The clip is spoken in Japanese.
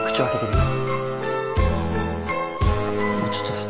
もうちょっとだ。